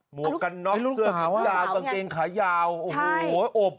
วกกันน็อกเสื้อยาวกางเกงขายาวโอ้โหอบ